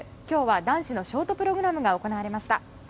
今日は男子のショートプログラムが行われました。